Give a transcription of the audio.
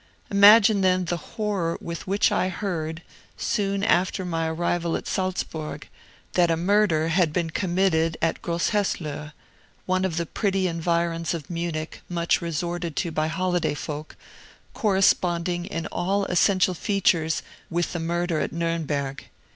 Imagine, then, the horror with which I heard, soon after my arrival at Salzburg, that a murder had been committed at Grosshesslohe one of the pretty environs of Munich much resorted to by holiday folk corresponding in all essential features with the murder at Nuremberg!